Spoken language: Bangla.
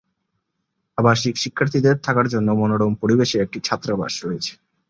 আবাসিক শিক্ষার্থীদের থাকার জন্য মনোরম পরিবেশে একটি ছাত্রাবাস রয়েছে।